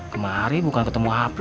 kemari bukan ketemu april